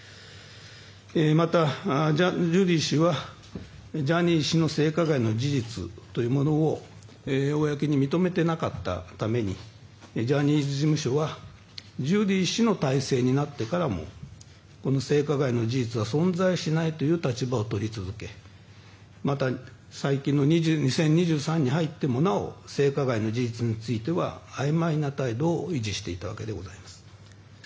また、ジュリー氏はジャニー氏の性加害の事実というものを公に認めていなかったためにジャニーズ事務所はジュリー氏の体制になってからも性加害の事実は存在しないという立場をとり続けまた、最近の２０２３年に入ってもなお性加害の事実についてはあいまいな態度を維持していたわけでございます。